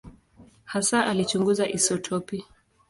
Hasa alichunguza isotopi.